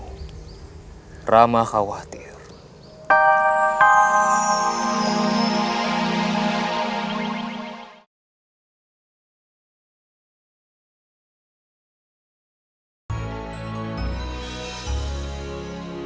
karena semakin banyak orang yang tahu siapa dirimu